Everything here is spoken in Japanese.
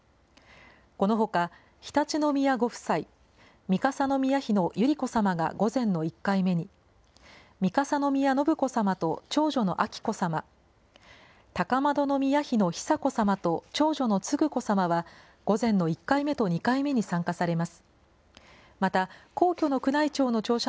このほか、常陸宮ご夫妻、三笠宮妃の百合子さまが午前の１回目に、三笠宮信子さまと長女の彬子さま、高円宮妃の久子さまと長女の承子さまは、午前の１回目と２回目に参加されます。